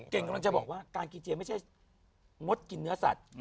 เก่งกำลังจะบอกว่าการกินเจไม่ใช่งดกินเนื้อสัตว์